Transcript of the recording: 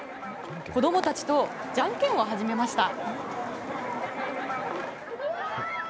子供たちとじゃんけんを始めました。